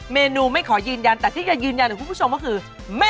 แม่ได้กินค่ะว่ายังไงเดี๋ยวน้อยแม่ต้องรู้นี่ใช่ไหม